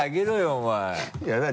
お前いや何？